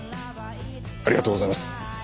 ありがとうございます！